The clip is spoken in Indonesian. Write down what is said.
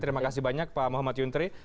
terima kasih banyak pak muhammad yuntri